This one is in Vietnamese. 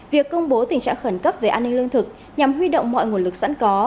việc công bố tình trạng khẩn cấp về an ninh lương thực nhằm huy động mọi nguồn lực sẵn có